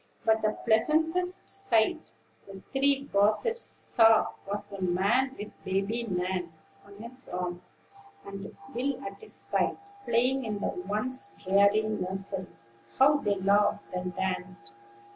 But the pleasantest sight the three gossips saw was the man with Baby Nan on his arm and Will at his side, playing in the once dreary nursery. How they laughed and danced!